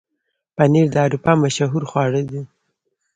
پنېر د اروپا مشهوره خواړه ده.